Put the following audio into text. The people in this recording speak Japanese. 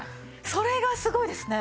それがすごいですね。